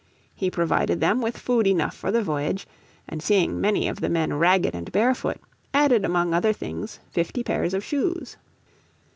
He provided them with food enough for the voyage, and seeing many of the men ragged and barefoot, added among other things fifty pairs of shoes.